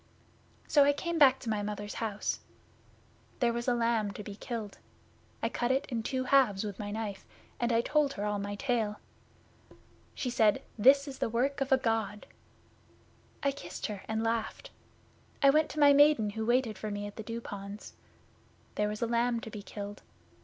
'So came I back to my Mother's house. There was a lamb to be killed. I cut it in two halves with my knife, and I told her all my tale. She said, "This is the work of a God." I kissed her and laughed. I went to my Maiden who waited for me at the Dew ponds. There was a lamb to be killed.